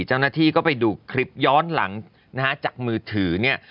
เจ้าหน้าที่ก็ไปดูคลิปย้อนหลังนะฮะจากมือถือเนี่ย